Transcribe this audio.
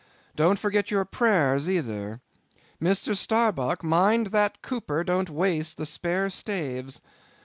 Don't forget your prayers, either. Mr. Starbuck, mind that cooper don't waste the spare staves.